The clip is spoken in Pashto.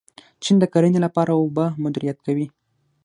چین د کرنې لپاره اوبه مدیریت کوي.